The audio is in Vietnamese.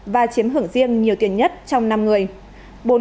và chiếm hưởng riêng nhiều tiền nhất trong năm người